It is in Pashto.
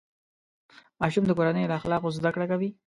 ماشوم د کورنۍ له اخلاقو زده کړه کوي.